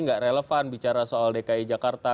nggak relevan bicara soal dki jakarta